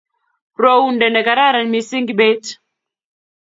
Rwounde ne kararan mising Kibet